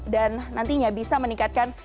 dan nantinya bisa meningkatkan